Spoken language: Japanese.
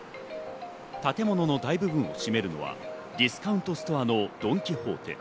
建物の大部分を占めるのはディスカウントストアのドン・キホーテ。